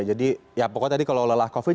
jadi pokoknya kalau lelah covid